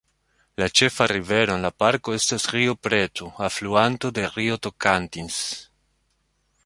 La ĉefa rivero en la parko estas Rio Preto, alfluanto de Rio Tocantins.